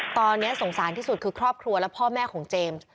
ตอนนี้สงสารที่สุดคือครอบครัวและพ่อแม่ของเจมส์